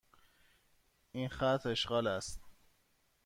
این خط اشغال است.